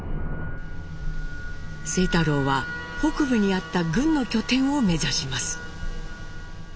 清太郎は北部にあった軍の拠点を目指します。